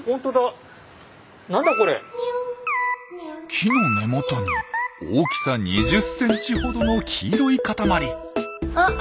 木の根元に大きさ２０センチほどの黄色いかたまり。